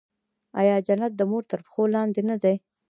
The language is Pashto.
آیا جنت د مور تر پښو لاندې نه دی؟